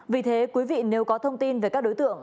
vì thế quý vị nếu có thông tin về các đối tượng